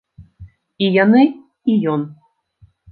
І яны, і ён.